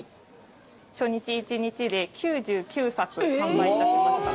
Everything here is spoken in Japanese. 初日１日で９９冊販売いたしました。